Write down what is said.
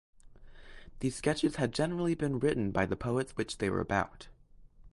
These sketches had generally been written by the poets which they were about.